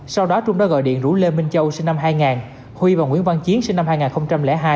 sau đó trung đã gọi điện rủ lê minh châu sinh năm hai nghìn huy và nguyễn văn chiến sinh năm hai nghìn hai